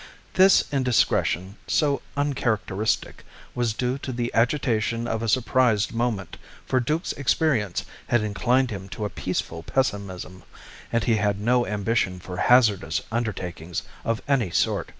This indiscretion, so uncharacteristic, was due to the agitation of a surprised moment, for Duke's experience had inclined him to a peaceful pessimism, and he had no ambition for hazardous undertakings of any sort.